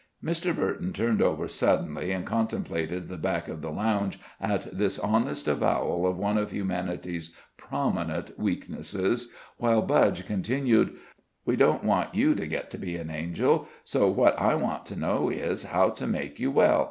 Mr. Burton turned over suddenly and contemplated the back of the lounge at this honest avowal of one of humanity's prominent weaknesses, while Budge continued: "We don't want you to get to be an angel, so what I want to know is, how to make you well.